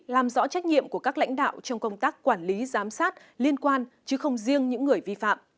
làm rõ trách nhiệm của các lãnh đạo trong công tác quản lý giám sát liên quan chứ không riêng những người vi phạm